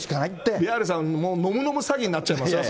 宮根さん、飲む飲む詐欺になっちゃいますよ。